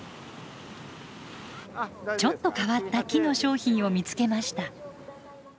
ちょっと変わった木の商品を見つけました。